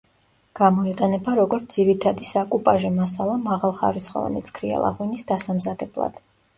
გამოიყენება როგორც ძირითადი საკუპაჟე მასალა მაღალხარისხოვანი ცქრიალა ღვინის დასამზადებლად.